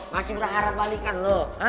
masih berharap balikan lo